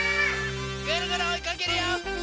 ぐるぐるおいかけるよ！